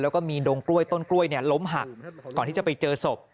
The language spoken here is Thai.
แล้วก็มีดงกล้วยต้นกล้วยล้มหักก่อนที่จะไปเจอศพ